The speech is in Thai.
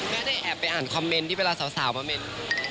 ไม่ได้แอบไปอ่านคอมเมนต์ที่เวลาสาวมาเม้น